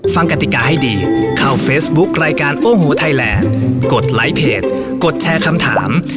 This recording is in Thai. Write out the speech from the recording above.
กติกาให้ดีเข้าเฟซบุ๊ครายการโอ้โหไทยแลนด์กดไลค์เพจกดแชร์คำถาม